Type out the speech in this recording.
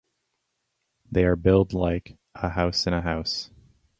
They are build like "a house in a house".